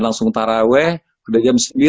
langsung taraweh udah jam sembilan